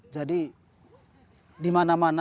jadi di mana mana